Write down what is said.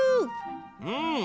うん。